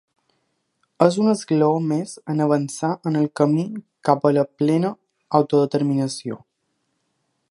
És un esglaó més en avançar en el camí cap a la plena autodeterminació.